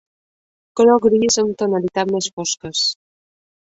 Color gris amb tonalitats més fosques.